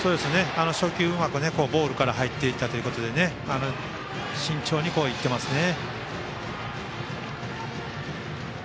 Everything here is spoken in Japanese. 初球ボールから入っていたということで慎重にいってますね。